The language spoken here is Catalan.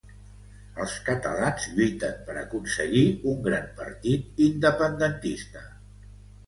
Els catalans lluiten per aconseguir un gran partit independentista.